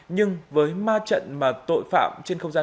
nhưng với ma trận mà tội phạm trên không gian